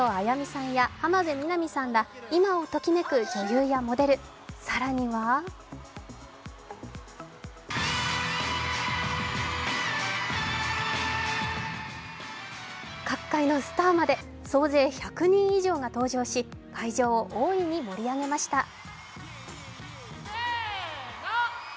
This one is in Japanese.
やみさんや浜辺美波さんら今をときめく女優やモデル、更には各界のスターまで、総勢１００人以上が登場し会場を大いに盛り上げました。